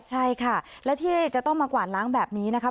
ใช่ค่ะและที่จะต้องมากวาดล้างแบบนี้นะคะ